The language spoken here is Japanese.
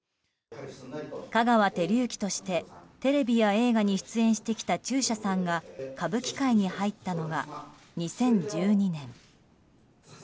香川照之としてテレビや映画に出演してきた中車さんが歌舞伎界に入ったのは２０１２年。